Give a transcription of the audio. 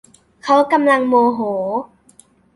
เขากำลังโมโห